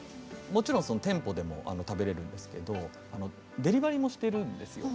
もちろんその店舗でも食べれるんですけどデリバリーもしてるんですよ。